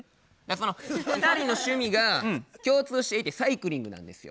その２人の趣味が共通していてサイクリングなんですよ。